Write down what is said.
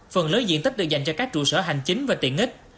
phần lớn diện tích được dành cho các trụ sở hành chính và tiện ích